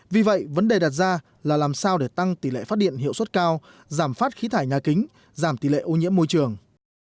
vì vậy vấn đề đặt ra là làm sao để tăng tỷ lệ phát điện hiệu suất cao giảm phát khí thải nhà kính giảm tỷ lệ ô nhiễm môi trường